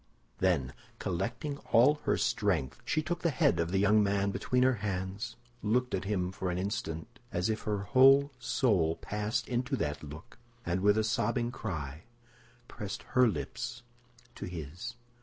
Then, collecting all her strength, she took the head of the young man between her hands, looked at him for an instant as if her whole soul passed into that look, and with a sobbing cry pressed her lips to his.